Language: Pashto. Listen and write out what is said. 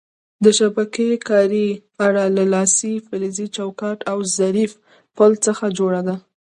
د شبکې کارۍ اره له لاسۍ، فلزي چوکاټ او ظریف پل څخه جوړه ده.